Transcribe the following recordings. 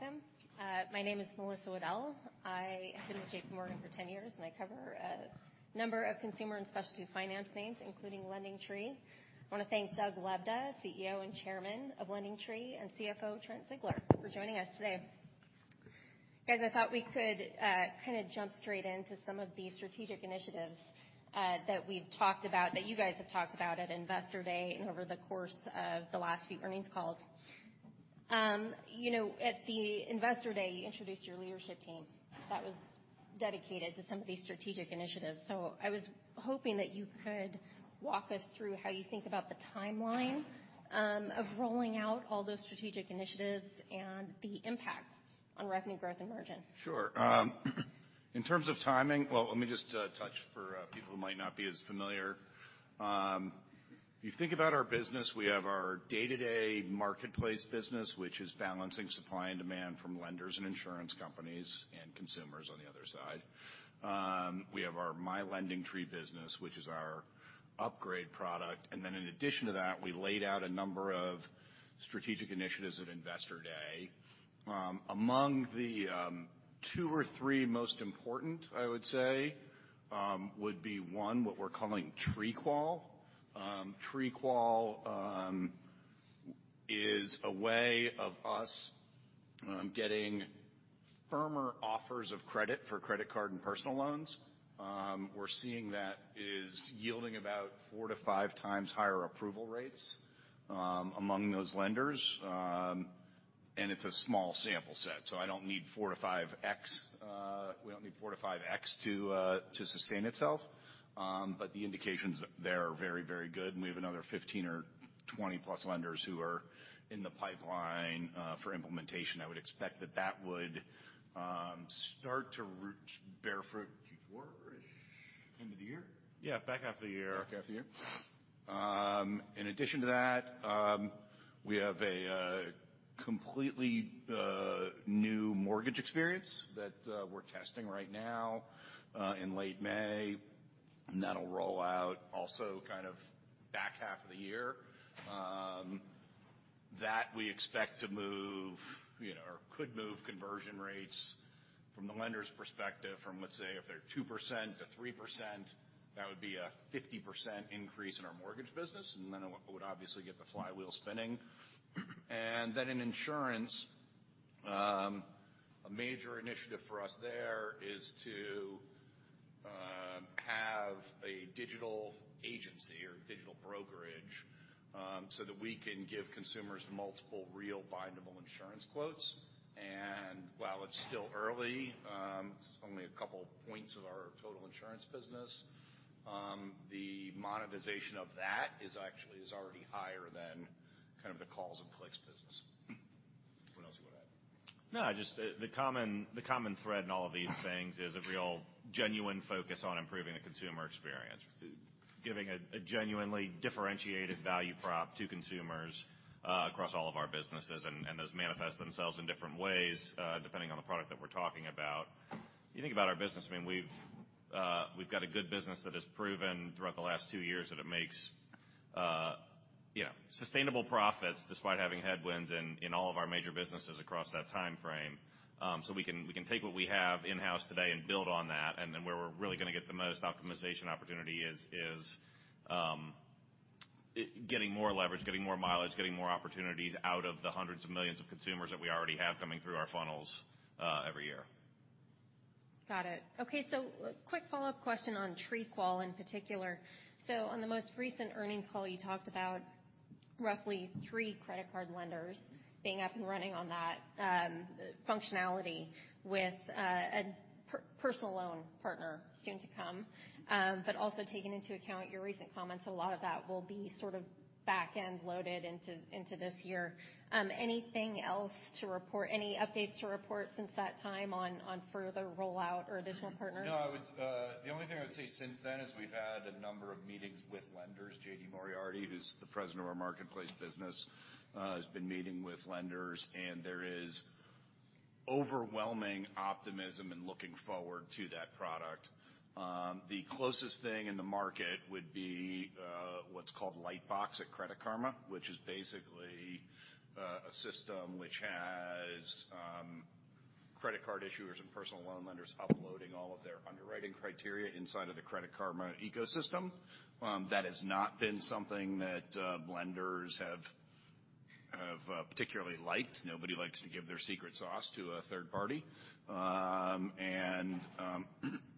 Welcome. My name is Melissa Wedel. I have been with JPMorgan for 10 years, and I cover a number of consumer and specialty finance names, including LendingTree. I want to thank Doug Lebda, CEO and Chairman of LendingTree, and CFO Trent Ziegler for joining us today. Guys, I thought we could kind of jump straight into some of the strategic initiatives that we've talked about, that you guys have talked about at Investor Day and over the course of the last few earnings calls. At the Investor Day, you introduced your leadership team that was dedicated to some of these strategic initiatives. So I was hoping that you could walk us through how you think about the timeline of rolling out all those strategic initiatives and the impact on revenue growth and margin. Sure. In terms of timing, well, let me just touch for people who might not be as familiar. If you think about our business, we have our day-to-day marketplace business, which is balancing supply and demand from lenders and insurance companies and consumers on the other side. We have our My LendingTree business, which is our upgrade product. And then in addition to that, we laid out a number of strategic initiatives at Investor Day. Among the two or three most important, I would say, would be one, what we're calling TreeQual. TreeQual is a way of us getting firmer offers of credit for credit card and personal loans. We're seeing that is yielding about four to five times higher approval rates among those lenders. And it's a small sample set. So I don't need four to five X. We don't need four to five X to sustain itself. But the indications there are very, very good. And we have another 15 or 20-plus lenders who are in the pipeline for implementation. I would expect that that would start to bear fruit before the end of the year. Yeah, back half of the year. In addition to that, we have a completely new mortgage experience that we're testing right now in late May. And that'll roll out also kind of back half of the year. That we expect to move or could move conversion rates from the lender's perspective, from, let's say, if they're 2% to 3%, that would be a 50% increase in our mortgage business. And then it would obviously get the flywheel spinning. And then in insurance, a major initiative for us there is to have a digital agency or digital brokerage so that we can give consumers multiple real bindable insurance quotes. While it's still early, it's only a couple points of our total insurance business. The monetization of that is actually already higher than kind of the calls and clicks business. What else do you want to add? No, just the common thread in all of these things is a real genuine focus on improving the consumer experience, giving a genuinely differentiated value prop to consumers across all of our businesses. And those manifest themselves in different ways depending on the product that we're talking about. If you think about our business, I mean, we've got a good business that has proven throughout the last two years that it makes sustainable profits despite having headwinds in all of our major businesses across that timeframe. So we can take what we have in-house today and build on that. And then where we're really going to get the most optimization opportunity is getting more leverage, getting more mileage, getting more opportunities out of the hundreds of millions of consumers that we already have coming through our funnels every year. Got it. Okay. So a quick follow-up question on TreeQual in particular. So on the most recent earnings call, you talked about roughly three credit card lenders being up and running on that functionality with a personal loan partner soon to come. But also taking into account your recent comments, a lot of that will be sort of back-end loaded into this year. Anything else to report, any updates to report since that time on further rollout or additional partners? No, the only thing I would say since then is we've had a number of meetings with lenders. J.D. Moriarty, who's the President of our Marketplace business, has been meeting with lenders. And there is overwhelming optimism in looking forward to that product. The closest thing in the market would be what's called Lightbox at Credit Karma, which is basically a system which has credit card issuers and personal loan lenders uploading all of their underwriting criteria inside of the Credit Karma ecosystem. That has not been something that lenders have particularly liked. Nobody likes to give their secret sauce to a third party. And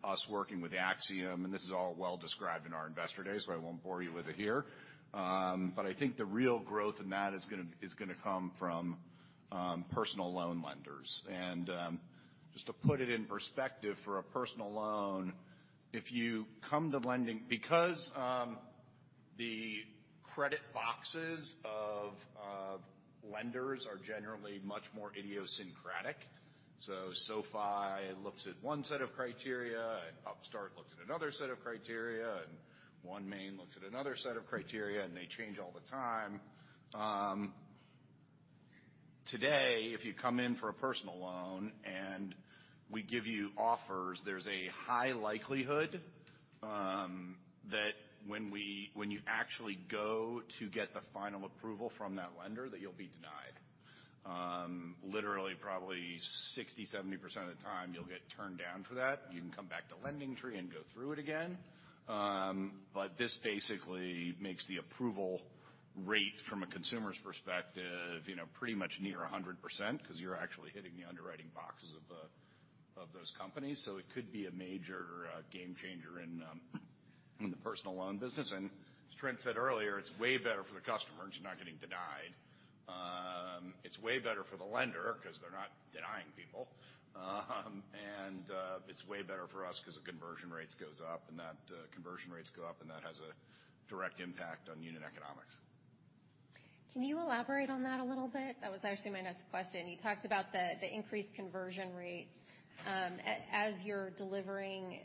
us working with Acxiom, and this is all well described in our Investor Day, so I won't bore you with it here. But I think the real growth in that is going to come from personal loan lenders. Just to put it in perspective for a personal loan, if you come to LendingTree, because the credit boxes of lenders are generally much more idiosyncratic. SoFi looks at one set of criteria, and Upstart looks at another set of criteria, and OneMain looks at another set of criteria, and they change all the time. Today, if you come in for a personal loan and we give you offers, there's a high likelihood that when you actually go to get the final approval from that lender that you'll be denied. Literally, probably 60%-70% of the time, you'll get turned down for that. You can come back to LendingTree and go through it again. This basically makes the approval rate from a consumer's perspective pretty much near 100% because you're actually hitting the underwriting boxes of those companies. So it could be a major game changer in the personal loan business. And as Trent said earlier, it's way better for the customer because you're not getting denied. It's way better for the lender because they're not denying people. And it's way better for us because the conversion rates go up, and that has a direct impact on unit economics. Can you elaborate on that a little bit? That was actually my next question. You talked about the increased conversion rates as you're delivering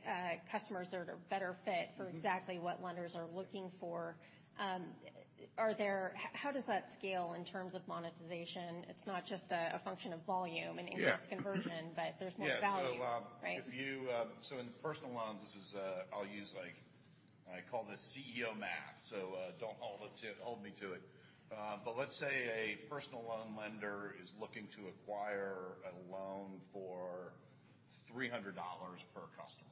customers that are better fit for exactly what lenders are looking for. How does that scale in terms of monetization? It's not just a function of volume and increased conversion, but there's more value. Yeah. So in personal loans, this is, I'll use what I call the CEO math. So don't hold me to it. But let's say a personal loan lender is looking to acquire a loan for $300 per customer.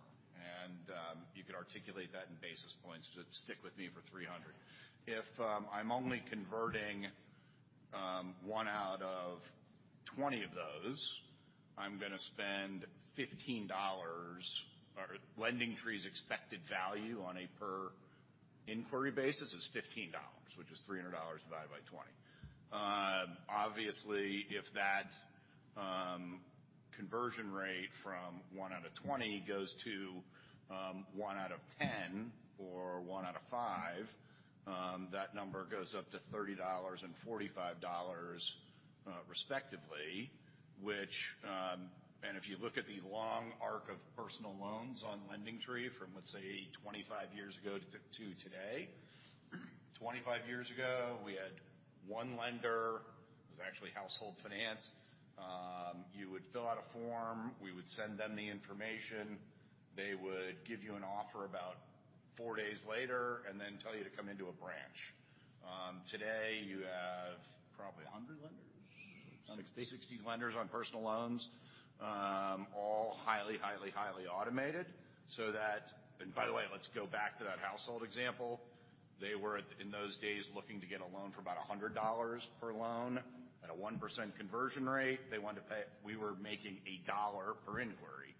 And you could articulate that in basis points. Stick with me for 300. If I'm only converting one out of 20 of those, I'm going to spend $15. LendingTree's expected value on a per inquiry basis is $15, which is $300 divided by 20. Obviously, if that conversion rate from one out of 20 goes to one out of 10 or one out of 5, that number goes up to $30 and $45 respectively. And if you look at the long arc of personal loans on LendingTree from, let's say, 25 years ago to today, 25 years ago, we had one lender. It was actually Household Finance. You would fill out a form. We would send them the information. They would give you an offer about four days later and then tell you to come into a branch. Today, you have probably 100 lenders. 60 lenders on personal loans, all highly, highly, highly automated. By the way, let's go back to that Household example. They were in those days looking to get a loan for about $100 per loan at a 1% conversion rate. They wanted to pay. We were making $1 per inquiry.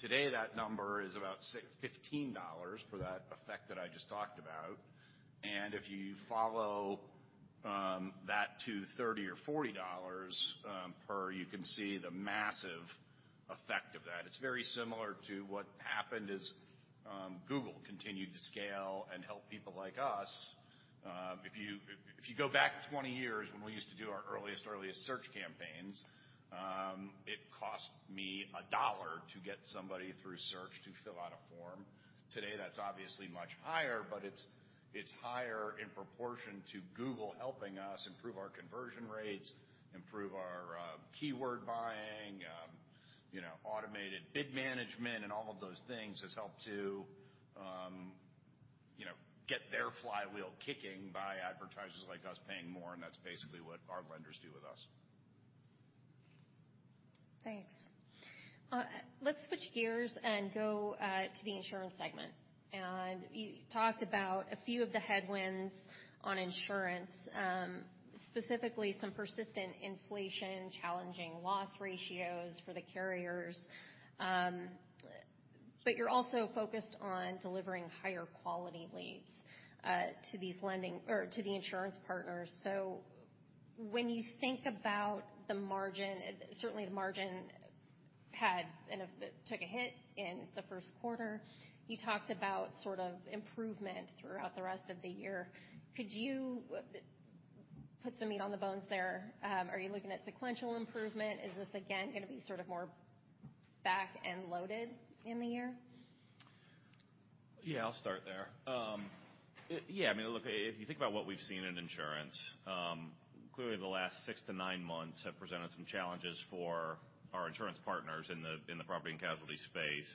Today, that number is about $15 for that effect that I just talked about. If you follow that to $30 or $40 per, you can see the massive effect of that. It's very similar to what happened as Google continued to scale and help people like us. If you go back 20 years when we used to do our earliest, earliest search campaigns, it cost me $1 to get somebody through search to fill out a form. Today, that's obviously much higher, but it's higher in proportion to Google helping us improve our conversion rates, improve our keyword buying, automated bid management, and all of those things has helped to get their flywheel kicking by advertisers like us paying more. And that's basically what our lenders do with us. Thanks. Let's switch gears and go to the insurance segment. And you talked about a few of the headwinds on insurance, specifically some persistent inflation challenging loss ratios for the carriers. But you're also focused on delivering higher quality leads to these lending or to the insurance partners. So when you think about the margin, certainly the margin had took a hit in the Q1. You talked about sort of improvement throughout the rest of the year. Could you put some meat on the bones there? Are you looking at sequential improvement? Is this, again, going to be sort of more back-end loaded in the year? Yeah, I'll start there. Yeah. I mean, look, if you think about what we've seen in insurance, clearly the last six to nine months have presented some challenges for our insurance partners in the property and casualty space.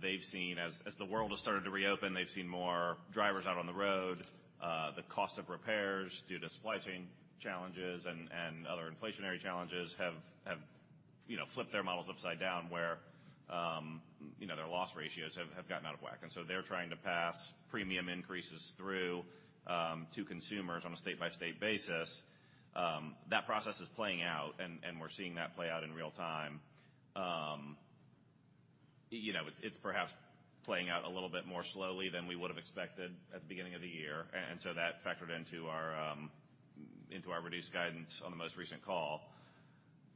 They've seen, as the world has started to reopen, they've seen more drivers out on the road. The cost of repairs due to supply chain challenges and other inflationary challenges have flipped their models upside down where their loss ratios have gotten out of whack. And so they're trying to pass premium increases through to consumers on a state-by-state basis. That process is playing out, and we're seeing that play out in real time. It's perhaps playing out a little bit more slowly than we would have expected at the beginning of the year. And so that factored into our reduced guidance on the most recent call.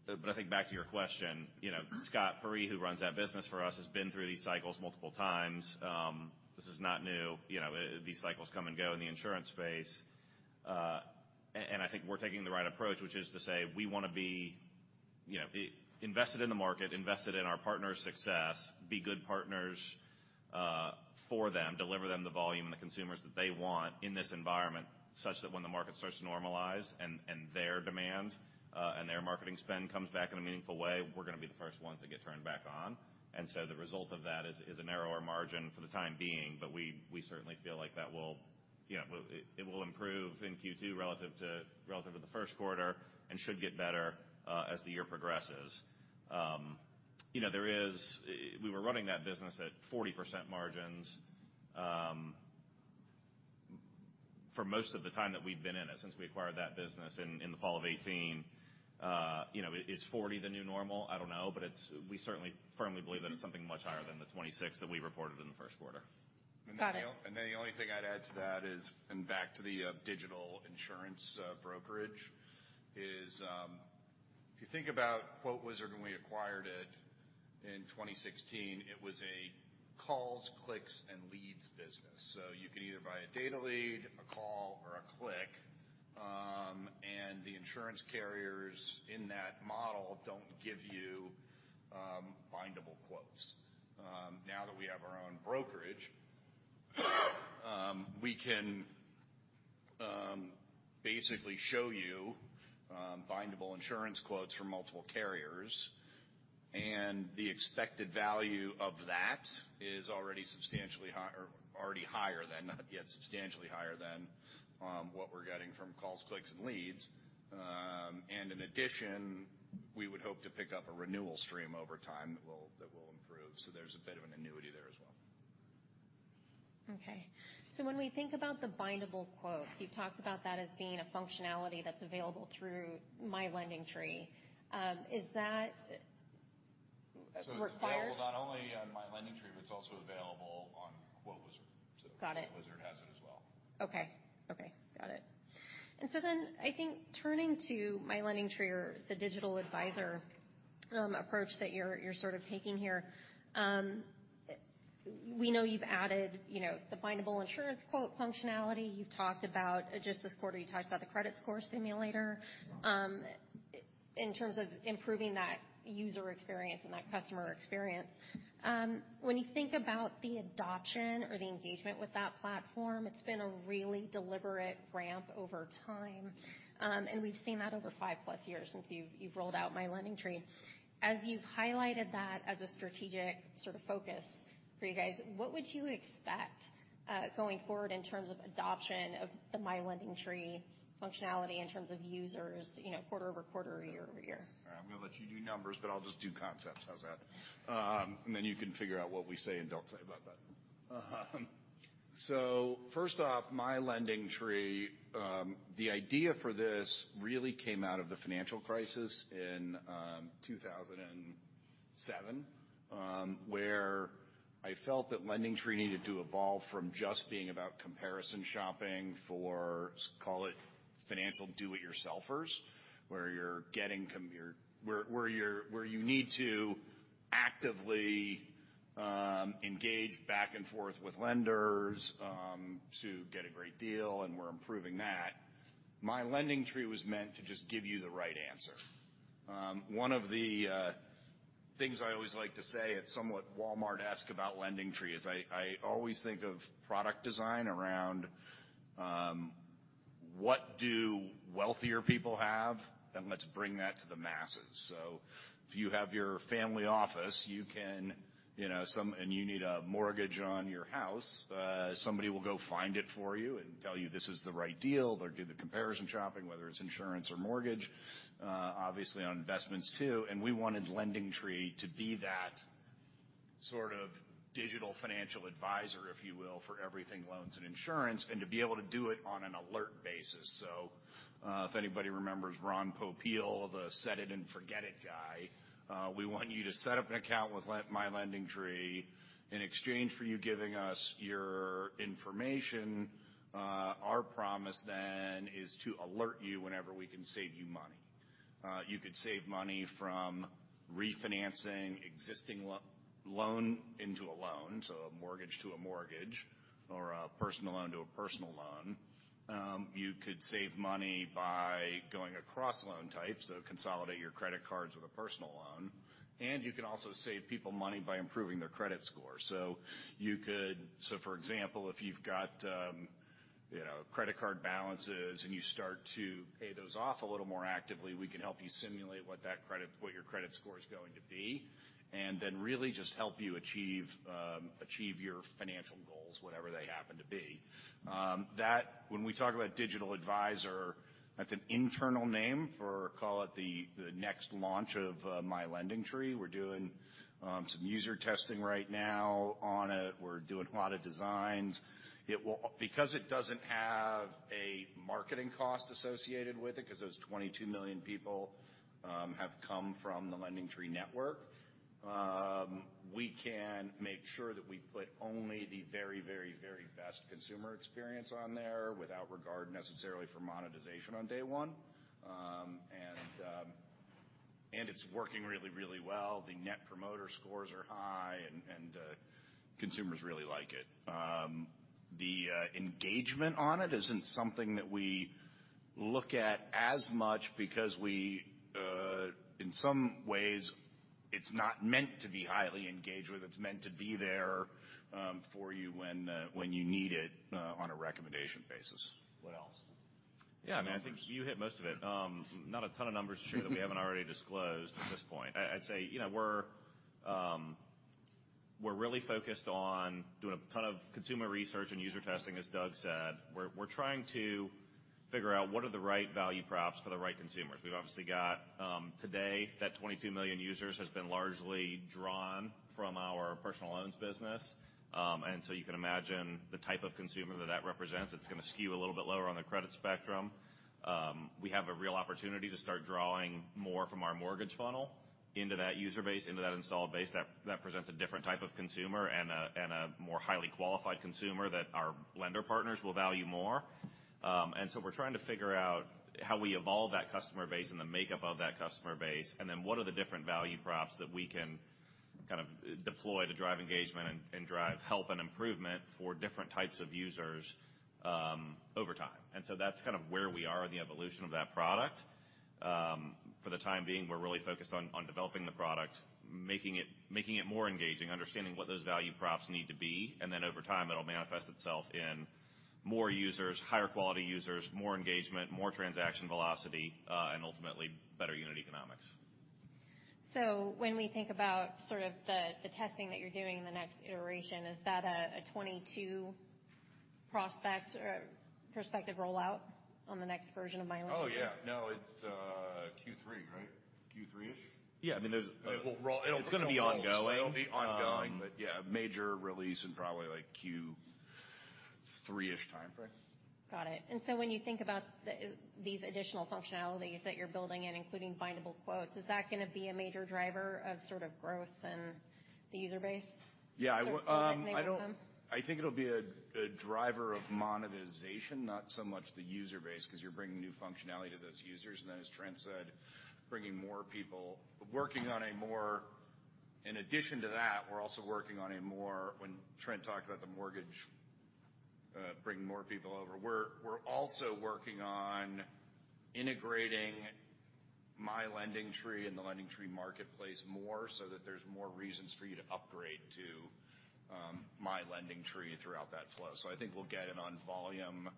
But I think back to your question, Scott Peyree, who runs that business for us, has been through these cycles multiple times. This is not new. These cycles come and go in the insurance space. And I think we're taking the right approach, which is to say we want to be invested in the market, invested in our partners' success, be good partners for them, deliver them the volume and the consumers that they want in this environment such that when the market starts to normalize and their demand and their marketing spend comes back in a meaningful way, we're going to be the first ones to get turned back on. And so the result of that is a narrower margin for the time being. But we certainly feel like that will improve in Q2 relative to the Q1 and should get better as the year progresses. We were running that business at 40% margins for most of the time that we've been in it since we acquired that business in the fall of 2018. Is 40 the new normal? I don't know. But we certainly firmly believe that it's something much higher than the 26% that we reported in the Q1. Got it. And then the only thing I'd add to that is, and back to the digital insurance brokerage, is if you think about QuoteWizard when we acquired it in 2016, it was a calls, clicks, and leads business. So you can either buy a data lead, a call, or a click. And the insurance carriers in that model don't give you bindable quotes. Now that we have our own brokerage, we can basically show you bindable insurance quotes from multiple carriers. And the expected value of that is already substantially higher than, not yet substantially higher than what we're getting from calls, clicks, and leads. And in addition, we would hope to pick up a renewal stream over time that will improve. So there's a bit of an annuity there as well. Okay, so when we think about the bindable quotes, you talked about that as being a functionality that's available through My LendingTree. Is that required? So it's available not only on My LendingTree, but it's also available on QuoteWizard. So QuoteWizard has it as well. Okay. Okay. Got it. And so then I think turning to My LendingTree or the digital advisor approach that you're sort of taking here, we know you've added the bindable insurance quote functionality. You've talked about just this quarter, you talked about the credit score simulator in terms of improving that user experience and that customer experience. When you think about the adoption or the engagement with that platform, it's been a really deliberate ramp over time. And we've seen that over five plus years since you've rolled out My LendingTree. As you've highlighted that as a strategic sort of focus for you guys, what would you expect going forward in terms of adoption of the My LendingTree functionality in terms of users quarter-over-quarter, year-over-year? All right. I'm going to let you do numbers, but I'll just do concepts. How's that? And then you can figure out what we say and don't say about that, so first off, My LendingTree, the idea for this really came out of the financial crisis in 2007, where I felt that LendingTree needed to evolve from just being about comparison shopping for, call it, financial do-it-yourselfers, where you're getting where you need to actively engage back and forth with lenders to get a great deal, and we're improving that. My LendingTree was meant to just give you the right answer. One of the things I always like to say is it's somewhat Walmart-esque about LendingTree. I always think of product design around what do wealthier people have, and let's bring that to the masses. So if you have your family office, you can, and you need a mortgage on your house, somebody will go find it for you and tell you this is the right deal or do the comparison shopping, whether it's insurance or mortgage, obviously on investments too. And we wanted LendingTree to be that sort of digital financial advisor, if you will, for everything loans and insurance, and to be able to do it on an alert basis. So if anybody remembers Ron Popeil, the set-it-and-forget-it guy, we want you to set up an account with My LendingTree in exchange for you giving us your information. Our promise then is to alert you whenever we can save you money. You could save money from refinancing existing loan into a loan, so a mortgage to a mortgage or a personal loan to a personal loan. You could save money by going across loan types, so consolidate your credit cards with a personal loan, and you can also save people money by improving their credit score, so for example, if you've got credit card balances and you start to pay those off a little more actively, we can help you simulate what your credit score is going to be and then really just help you achieve your financial goals, whatever they happen to be. When we talk about digital advisor, that's an internal name for, call it, the next launch of My LendingTree. We're doing some user testing right now on it. We're doing a lot of designs. Because it doesn't have a marketing cost associated with it, because those 22 million people have come from the LendingTree network, we can make sure that we put only the very, very, very best consumer experience on there without regard necessarily for monetization on day one. And it's working really, really well. The Net Promoter Scores are high, and consumers really like it. The engagement on it isn't something that we look at as much because in some ways, it's not meant to be highly engaged with. It's meant to be there for you when you need it on a recommendation basis. What else? Yeah. I mean, I think you hit most of it. Not a ton of numbers, sure, that we haven't already disclosed at this point. I'd say we're really focused on doing a ton of consumer research and user testing, as Doug said. We're trying to figure out what are the right value props for the right consumers. We've obviously got today that 22 million users has been largely drawn from our personal loans business. And so you can imagine the type of consumer that that represents. It's going to skew a little bit lower on the credit spectrum. We have a real opportunity to start drawing more from our mortgage funnel into that user base, into that installed base. That presents a different type of consumer and a more highly qualified consumer that our lender partners will value more. And so we're trying to figure out how we evolve that customer base and the makeup of that customer base, and then what are the different value props that we can kind of deploy to drive engagement and drive help and improvement for different types of users over time. And so that's kind of where we are in the evolution of that product. For the time being, we're really focused on developing the product, making it more engaging, understanding what those value props need to be. And then over time, it'll manifest itself in more users, higher quality users, more engagement, more transaction velocity, and ultimately better unit economics. So when we think about sort of the testing that you're doing in the next iteration, is that a 2022 prospective rollout on the next version of My LendingTree? Oh, yeah. No, it's Q3, right? Q3-ish? Yeah. I mean, it'll be ongoing. It'll be ongoing, but yeah, a major release in probably Q3-ish timeframe. Got it, and so when you think about these additional functionalities that you're building in, including bindable quotes, is that going to be a major driver of sort of growth in the user base? Yeah. I think it'll be a driver of monetization, not so much the user base, because you're bringing new functionality to those users. And then, as Trent said, bringing more people working on more. In addition to that, we're also working on more when Trent talked about the mortgage, bringing more people over. We're also working on integrating My LendingTree and the LendingTree marketplace more so that there's more reasons for you to upgrade to My LendingTree throughout that flow. So I think we'll get it on volume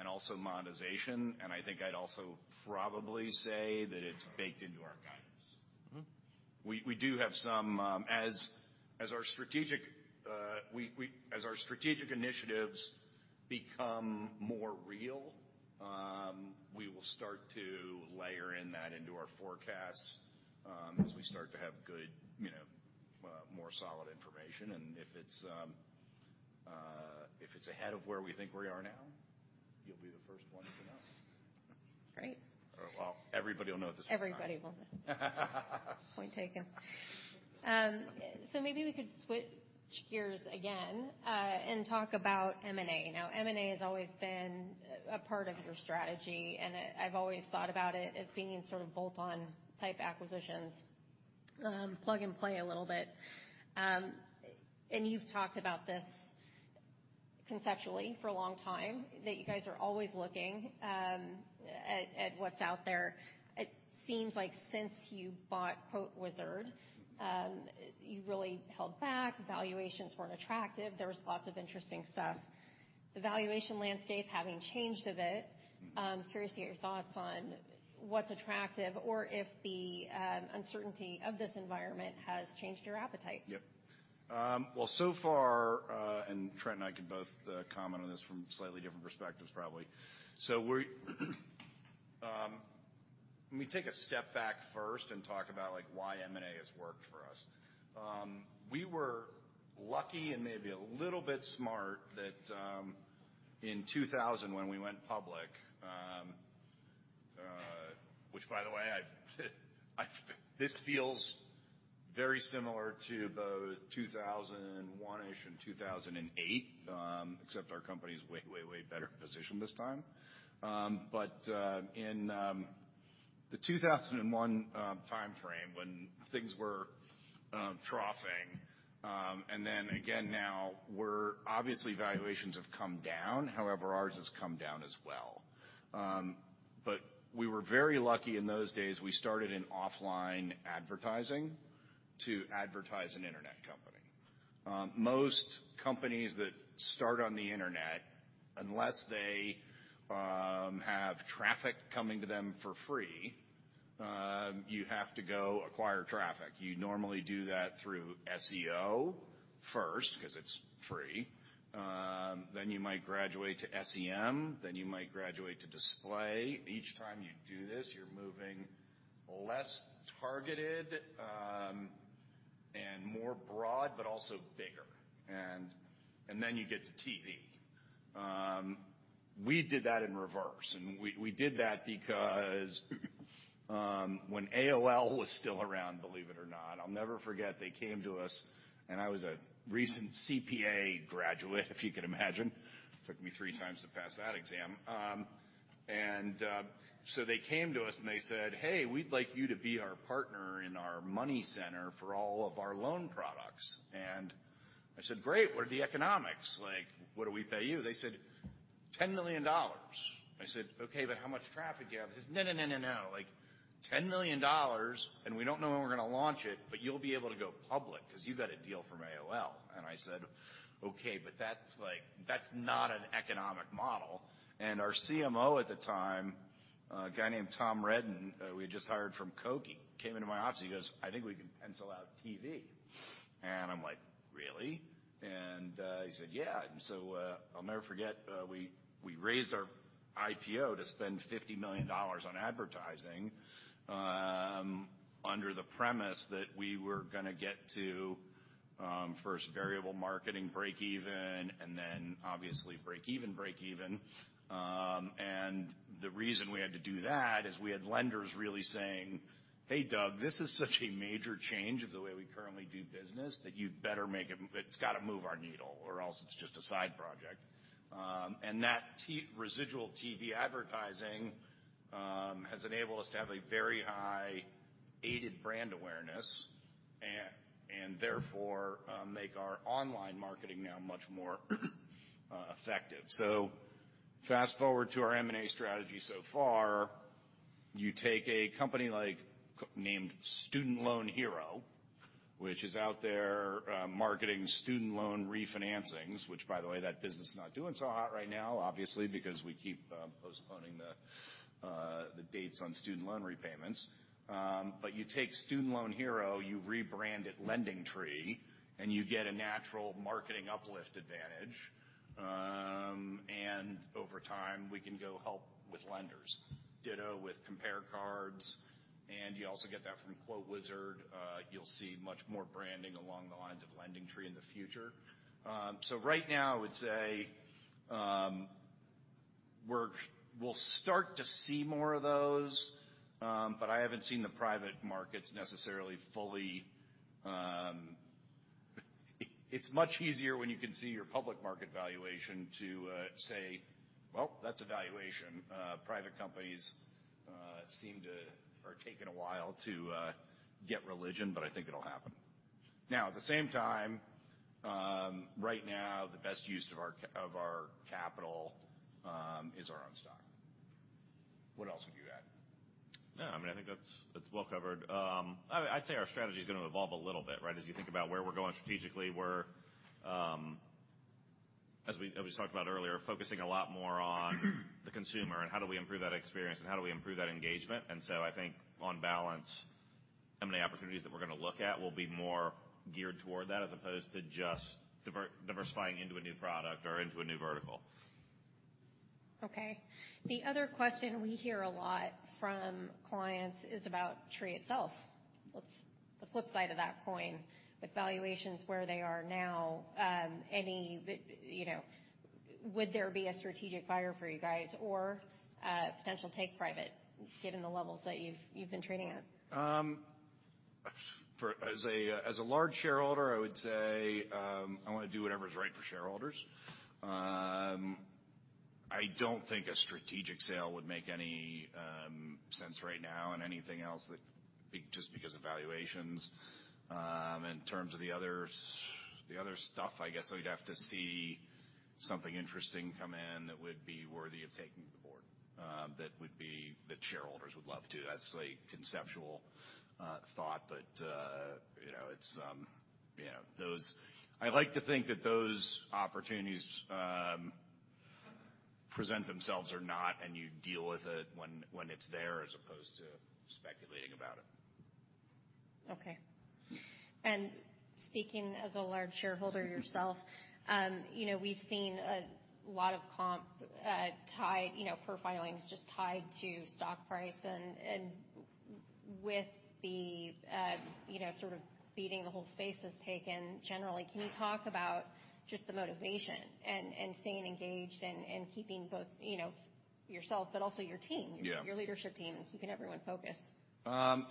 and also monetization. And I think I'd also probably say that it's baked into our guidance. We do have some, as our strategic initiatives become more real, we will start to layer in that into our forecasts as we start to have good, more solid information. If it's ahead of where we think we are now, you'll be the first one to know. Great. Everybody will know at this point. Everybody will know. Point taken. So maybe we could switch gears again and talk about M&A. Now, M&A has always been a part of your strategy, and I've always thought about it as being sort of bolt-on type acquisitions, plug and play a little bit. And you've talked about this conceptually for a long time, that you guys are always looking at what's out there. It seems like since you bought QuoteWizard, you really held back. Valuations weren't attractive. There was lots of interesting stuff. The valuation landscape having changed a bit. Curious to get your thoughts on what's attractive or if the uncertainty of this environment has changed your appetite. Yep. Well, so far, and Trent and I can both comment on this from slightly different perspectives, probably. So when we take a step back first and talk about why M&A has worked for us, we were lucky and maybe a little bit smart that in 2000, when we went public, which by the way, this feels very similar to both 2001-ish and 2008, except our company is way, way, way better positioned this time. But in the 2001 timeframe, when things were troughing, and then again now, obviously, valuations have come down. However, ours has come down as well. But we were very lucky in those days. We started in offline advertising to advertise an internet company. Most companies that start on the internet, unless they have traffic coming to them for free, you have to go acquire traffic. You normally do that through SEO first because it's free. Then you might graduate to SEM. Then you might graduate to display. Each time you do this, you're moving less targeted and more broad, but also bigger, and then you get to TV. We did that in reverse, and we did that because when AOL was still around, believe it or not, I'll never forget, they came to us, and I was a recent CPA graduate, if you can imagine. Took me three times to pass that exam, and so they came to us and they said, "Hey, we'd like you to be our partner in our money center for all of our loan products." And I said, "Great. What are the economics? What do we pay you?" They said, "$10 million." I said, "Okay, but how much traffic do you have?" They said, "No, no, no, no, no. $10 million, and we don't know when we're going to launch it, but you'll be able to go public because you've got a deal from AOL." And I said, "Okay, but that's not an economic model." And our CMO at the time, a guy named Tom Redden, we had just hired from Coke, came into my office. He goes, "I think we can pencil out TV." And I'm like, "Really?" And he said, "Yeah." And so I'll never forget, we raised our IPO to spend $50 million on advertising under the premise that we were going to get to first variable marketing, break even, and then obviously break even, break even. And the reason we had to do that is we had lenders really saying, "Hey, Doug, this is such a major change of the way we currently do business that you better make it. It's got to move our needle or else it's just a side project," and that residual TV advertising has enabled us to have a very high aided brand awareness and therefore make our online marketing now much more effective. Fast forward to our M&A strategy so far. You take a company named Student Loan Hero, which is out there marketing student loan refinancings, which by the way, that business is not doing so hot right now, obviously, because we keep postponing the dates on student loan repayments. But you take Student Loan Hero, you rebrand it LendingTree, and you get a natural marketing uplift advantage. Over time, we can go help with lenders, ditto with CompareCards. You also get that from QuoteWizard. You'll see much more branding along the lines of LendingTree in the future. Right now, I would say we'll start to see more of those, but I haven't seen the private markets necessarily fully. It's much easier when you can see your public market valuation to say, "Well, that's a valuation." Private companies seem to be taking a while to get religion, but I think it'll happen. Now, at the same time, right now, the best use of our capital is our own stock. What else would you add? No. I mean, I think that's well covered. I'd say our strategy is going to evolve a little bit, right, as you think about where we're going strategically. We're, as we talked about earlier, focusing a lot more on the consumer and how do we improve that experience and how do we improve that engagement. And so I think on balance, M&A opportunities that we're going to look at will be more geared toward that as opposed to just diversifying into a new product or into a new vertical. Okay. The other question we hear a lot from clients is about Tree itself. The flip side of that coin, with valuations where they are now, would there be a strategic buyer for you guys or a potential take private, given the levels that you've been trading at? As a large shareholder, I would say I want to do whatever is right for shareholders. I don't think a strategic sale would make any sense right now and anything else just because of valuations. In terms of the other stuff, I guess we'd have to see something interesting come in that would be worthy of taking to the board that shareholders would love to. That's a conceptual thought, but it's those I like to think that those opportunities present themselves or not, and you deal with it when it's there as opposed to speculating about it. Okay. And speaking as a large shareholder yourself, we've seen a lot of comp tied PSUs just tied to stock price. And with the sort of beating the whole space has taken generally, can you talk about just the motivation and staying engaged and keeping both yourself, but also your team, your leadership team, and keeping everyone focused?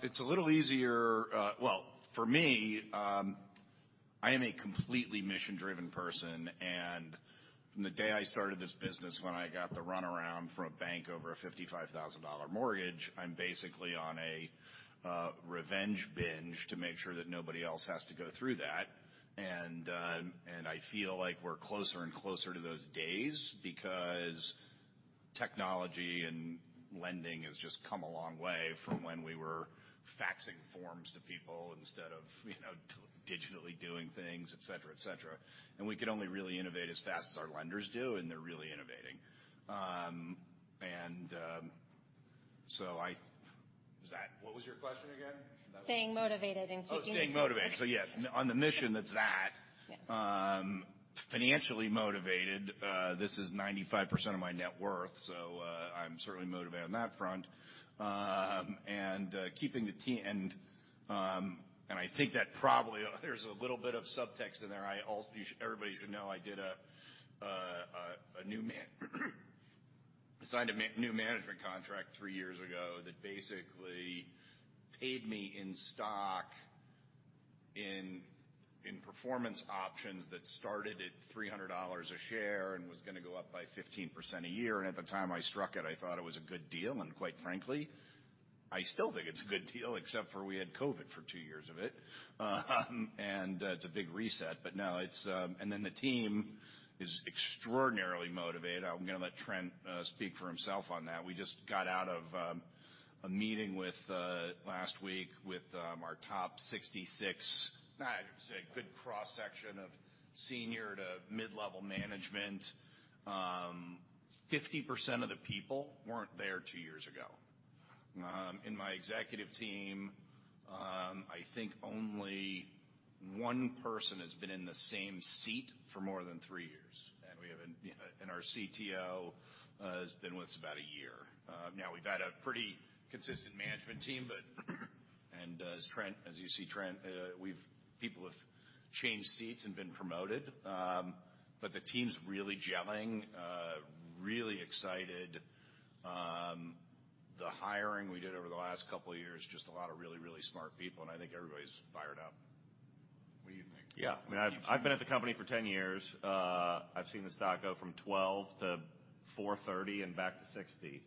It's a little easier, well, for me, I am a completely mission-driven person. From the day I started this business, when I got the runaround from a bank over a $55,000 mortgage, I'm basically on a revenge binge to make sure that nobody else has to go through that. I feel like we're closer and closer to those days because technology and lending has just come a long way from when we were faxing forms to people instead of digitally doing things, etc., etc. We could only really innovate as fast as our lenders do, and they're really innovating. So I was that. What was your question again? Staying motivated and keeping the. Oh, staying motivated. Yes, on the mission, that's that. Financially motivated, this is 95% of my net worth, so I'm certainly motivated on that front. Keeping the team. I think that probably there's a little bit of subtext in there. Everybody should know I signed a new management contract three years ago that basically paid me in stock and performance options that started at $300 a share and was going to go up by 15% a year. At the time I struck it, I thought it was a good deal. Quite frankly, I still think it's a good deal, except for we had COVID for two years of it. It's a big reset. No, it's and then the team is extraordinarily motivated. I'm going to let Trent speak for himself on that. We just got out of a meeting last week with our top 66, a good cross-section of senior to mid-level management. 50% of the people weren't there two years ago. In my executive team, I think only one person has been in the same seat for more than three years, and our CTO has been with us about a year. Now, we've had a pretty consistent management team, but as you see, Trent, people have changed seats and been promoted, but the team's really gelling, really excited. The hiring we did over the last couple of years, just a lot of really, really smart people, and I think everybody's fired up. What do you think? Yeah. I mean, I've been at the company for 10 years. I've seen the stock go from 12 to 430 and back to 60.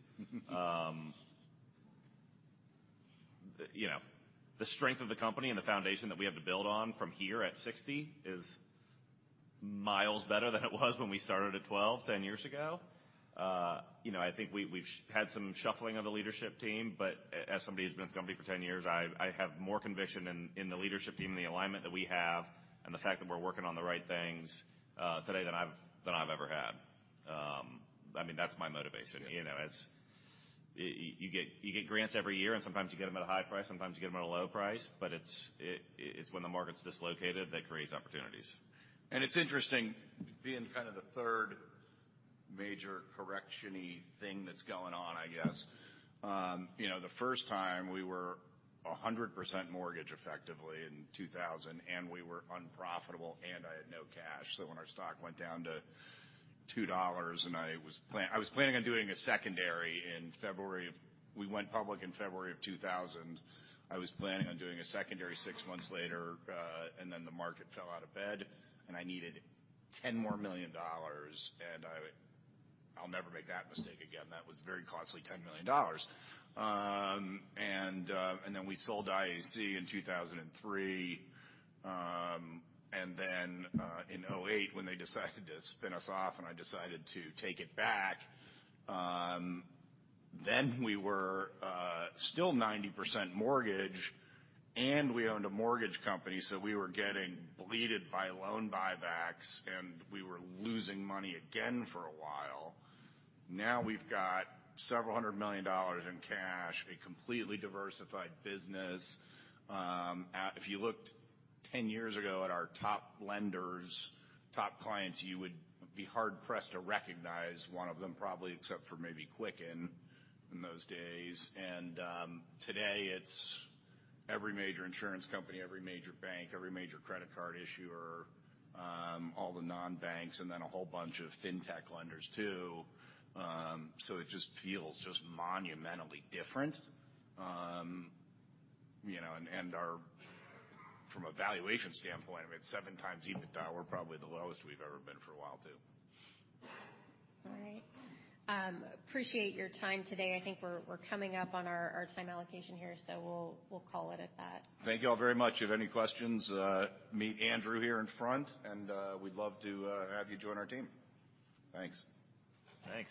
The strength of the company and the foundation that we have to build on from here at 60 is miles better than it was when we started at 12, 10 years ago. I think we've had some shuffling of the leadership team. But as somebody who's been at the company for 10 years, I have more conviction in the leadership team and the alignment that we have and the fact that we're working on the right things today than I've ever had. I mean, that's my motivation. You get grants every year, and sometimes you get them at a high price. Sometimes you get them at a low price. But it's when the market's dislocated that creates opportunities. It's interesting, being kind of the third major correctiony thing that's going on, I guess. The first time, we were 100% mortgage effectively in 2000, and we were unprofitable, and I had no cash. So when our stock went down to $2. We went public in February of 2000. I was planning on doing a secondary six months later, and then the market fell out of bed, and I needed $10 million more. I'll never make that mistake again. That was very costly, $10 million. Then we sold to IAC in 2003. In 2008, when they decided to spin us off and I decided to take it back, we were still 90% mortgage, and we owned a mortgage company. So we were getting bleeding by loan buybacks, and we were losing money again for a while. Now we've got several hundred million dollars in cash, a completely diversified business. If you looked 10 years ago at our top lenders, top clients, you would be hard-pressed to recognize one of them, probably except for maybe Quicken in those days. And today, it's every major insurance company, every major bank, every major credit card issuer, all the non-banks, and then a whole bunch of fintech lenders too. So it just feels just monumentally different. And from a valuation standpoint, I mean, it's seven times EBITDA. We're probably the lowest we've ever been for a while too. All right. Appreciate your time today. I think we're coming up on our time allocation here, so we'll call it at that. Thank you all very much. If you have any questions, meet Andrew here in front, and we'd love to have you join our team. Thanks. Thanks.